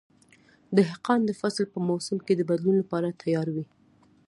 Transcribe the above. دهقان د فصل په موسم کې د بدلون لپاره تیار وي.